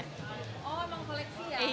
oh emang koleksi ya